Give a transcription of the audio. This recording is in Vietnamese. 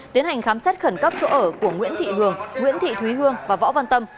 tiến hành khám xét khẩn cấp chỗ ở của nguyễn thị hường nguyễn thị thúy hương và võ văn tâm